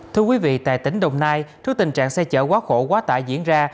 thưa quý vị tại tỉnh đồng nai trước tình trạng xe chở quá khổ quá tải diễn ra